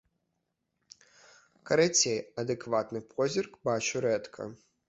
Карацей, адэкватны позірк бачу рэдка.